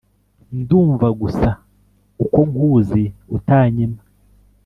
Ndumva gusa uko nkuzi Utanyima